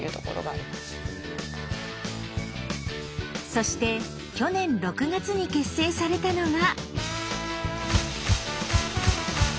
そして去年６月に結成されたのが。